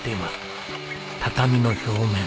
畳の表面